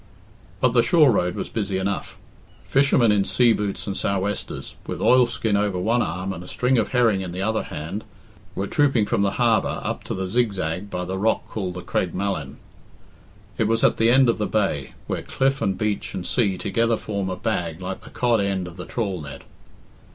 But the shore road was busy enough. Fishermen in sea boots and sou'westers, with oilskin over one arm and a string of herring in the other hand, were trooping from the harbour up to the Zigzag by the rock called the Creg Malin. It was at the end of the bay, where cliff and beach and sea together form a bag like the cod end of the trawl net.